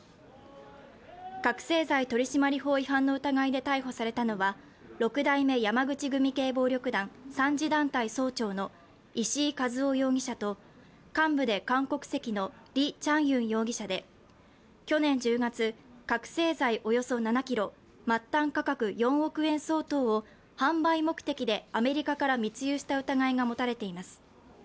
覚醒剤取締法違反で逮捕されたのは六代目山口組系暴力団３次団体総長の石井和夫容疑者と幹部で韓国籍のリ・チャンユン容疑者で去年１０月、覚醒剤およそ７ｋｇ末端価格４億円相当を販売目的でアメリカから密輸した疑いが持たれています